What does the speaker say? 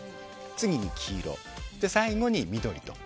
次に黄色、最後に緑と。